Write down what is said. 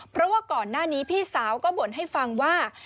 เพราะว่าก่อนหน้านี้พี่สาวก็บ่นให้ฟังว่า